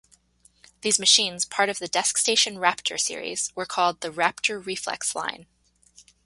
These machines, part of the DeskStation Raptor series, were called the Raptor Reflex line.